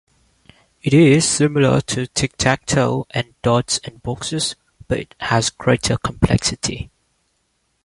It is similar to tic-tac-toe and dots and boxes, but has greater complexity.